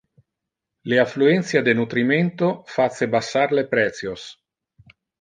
Le affluentia de nutrimento face bassar le precios.